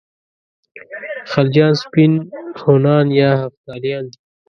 خلجیان سپین هونان یا هفتالیان دي.